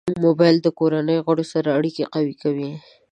موبایل د کورنۍ غړو سره اړیکه قوي کوي.